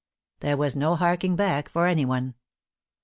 There was no harking back for any one.